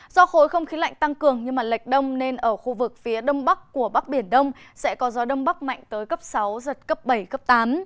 do khối không khí lạnh tăng cường nhưng lệch đông nên ở khu vực phía đông bắc của bắc biển đông sẽ có gió đông bắc mạnh tới cấp sáu giật cấp bảy cấp tám